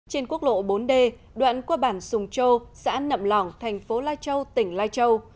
trên quốc lộ bốn d đoạn qua bản sùng châu xã nậm lỏng thành phố lai châu tỉnh lai châu